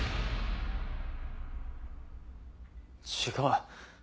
違う。